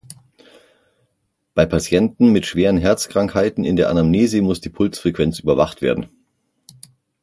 Bei Patienten mit schweren Herzkrankheiten in der Anamnese muss die Pulsfrequenz überwacht werden.